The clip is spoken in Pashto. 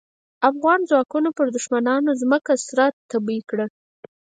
افغان ځواکونو پر دوښمنانو ځمکه سره تبۍ کړه.